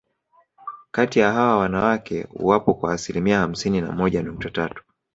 Kati ya hawa wanawake wapo kwa asilimia hamsini na moja nukta tatu